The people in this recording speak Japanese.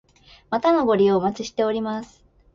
またのご利用お待ちしております。